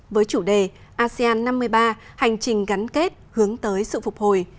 với chủ đề asean năm mươi ba hành trình gắn kết hướng tới sự phục hồi